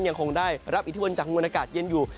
ยังคงได้รับอิทธิพลจากมวลอากาศเย็นอยู่